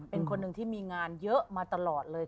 เป็นคนหนึ่งที่มีงานเยอะมาตลอดเลย